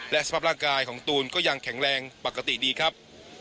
และสภาพร่างกายของตูนก็ยังแข็งแรงปกติดีครับ